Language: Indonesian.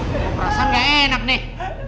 perasaan gak enak nih